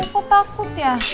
kok takut ya